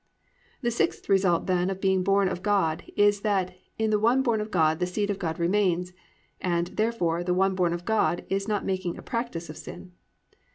"+ _The sixth result, then, of being born of God is that in the one born of God the seed of God remains; and, therefore, the one born of God is not making a practice of sin.